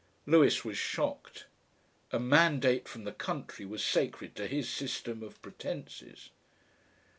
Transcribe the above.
Lewis was shocked. A "mandate" from the Country was sacred to his system of pretences.